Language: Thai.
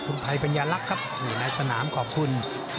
คุณภัยปัญญาลักษณ์ครับนี่ในสนามขอบคุณ